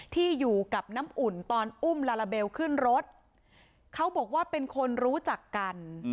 ที่อยู่กับน้ำอุ่นตอนอุ้มลาลาเบลขึ้นรถเขาบอกว่าเป็นคนรู้จักกัน